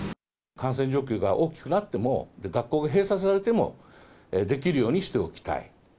感染状況が大きくなっても、学校が閉鎖されてもできるようにしておきたい。